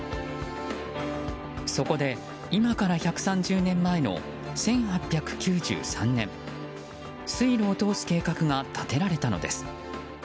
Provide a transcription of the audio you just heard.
そこで、今から１３０年前の１８９３年水路を通す計画が立てられたのです。